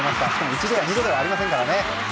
一度や二度ではありませんからね。